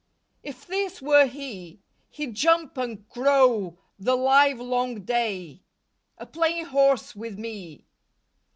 If this were he He'd jump and crow the live long day A playing horse with me.